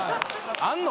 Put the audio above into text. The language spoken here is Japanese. あんの？